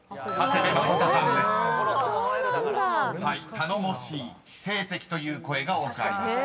［頼もしい知性的という声が多くありました］